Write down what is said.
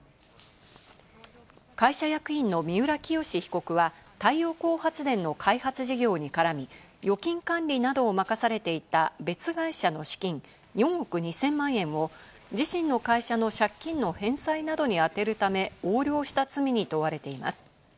会社役員の三浦清志被告は太陽光発電の開発事業に絡み、預金管理などを任されていた別会社の資金４億２０００万円を自身の会社の借金の返済に充てるため横領した罪に問われています。